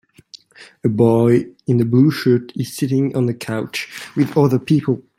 A boy in a blue shirt is sitting on a couch with other people.